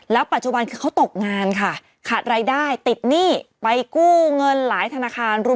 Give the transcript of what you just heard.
ปัจจุบันคือเขาตกงานค่ะขาดรายได้ติดหนี้ไปกู้เงินหลายธนาคาร